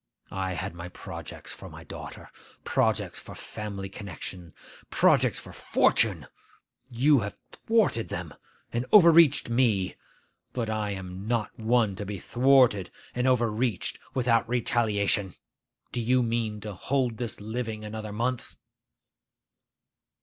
I had my projects for my daughter; projects for family connection; projects for fortune. You have thwarted them, and overreached me; but I am not one to be thwarted and overreached without retaliation. Do you mean to hold this living another month?